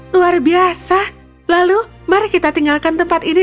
luar biasa lalu mari kita tinggalkan tempat ini